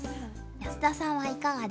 安田さんはいかがですか？